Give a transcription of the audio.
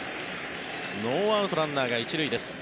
ノーアウトランナーが１塁です。